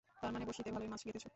তার মানে, বড়শিতে ভালই মাছ গেঁথেছ।